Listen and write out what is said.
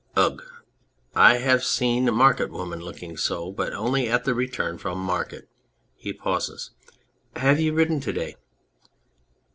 Ugh ! I have seen market women looking so, but only at the return from market (he pauses). Have you ridden to day